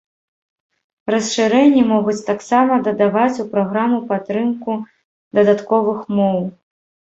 Расшырэнні могуць таксама дадаваць у праграму падтрымку дадатковых моў.